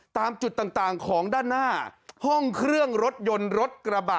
ตามจุดต่างของด้านหน้าห้องเครื่องรถยนต์รถกระบะ